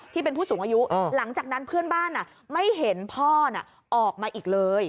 ที่เป็นผู้สูงอายุหลังจากนั้นเพื่อนบ้านไม่เห็นพ่อออกมาอีกเลย